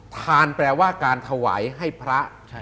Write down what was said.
ทานแปลว่าการถวายให้พระ